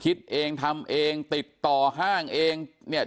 คิดเองทำเองติดต่อห้างเองเนี่ย